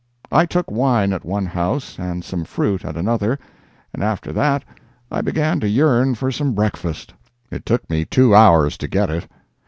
I took wine at one house and some fruit at another, and after that I began to yearn for some breakfast. It took me two hours to get it.